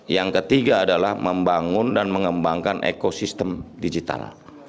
yang ketiga adalah membangun dan mengembangkan ekosistem digital